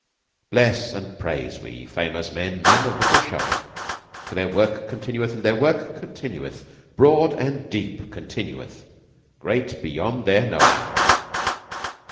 _Bless and praise we famous men Men of little showing! For their work continueth And their work continueth Broad and deep continueth Great beyond their knowing!